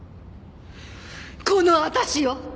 この私よ！